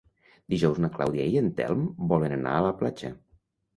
Dijous na Clàudia i en Telm volen anar a la platja.